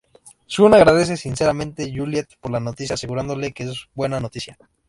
Sun agradece sinceramente Juliet por la noticia, asegurándole que es buena noticia.